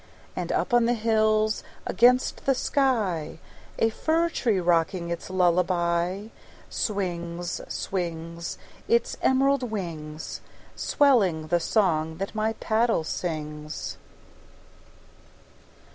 And up on the hills against the sky, A fir tree rocking its lullaby, Swings, swings, Its emerald wings, Swelling the song that my paddle sings.